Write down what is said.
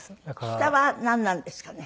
下はなんなんですかね？